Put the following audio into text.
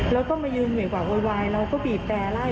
แล้วก็มายืนเหมือนกับโวยวายแล้วก็บีบแก่ไล่